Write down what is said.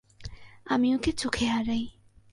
আমি ওকে চোখে হারাই।